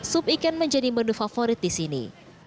sup ikan menjadi menu favorit di sini